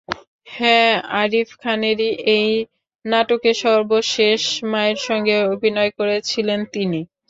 হ্যাঁ, আরিফ খানেরই একটি নাটকে সর্বশেষ মায়ের সঙ্গে অভিনয় করেছিলেন তিনি।